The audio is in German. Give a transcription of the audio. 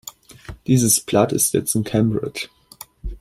Dieses Blatt ist jetzt in Cambridge.